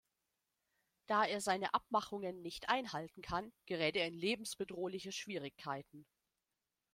Da er seine Abmachungen nicht einhalten kann, gerät er in lebensbedrohliche Schwierigkeiten.